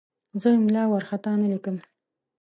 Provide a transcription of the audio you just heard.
زه املا وارخطا نه لیکم.